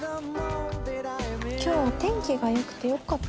今日お天気がよくてよかった。